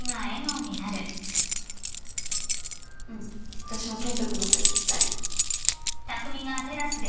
私も健人君の声聞きたい。